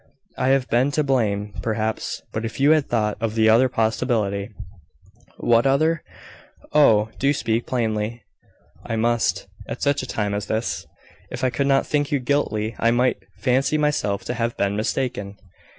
I have been to blame, perhaps; but if you had thought of the other possibility " "What other? Oh! do speak plainly." "I must, at such a time as this. If I could not think you guilty, I might fancy myself to have been mistaken."